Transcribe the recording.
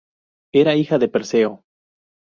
Era hija de Perseo.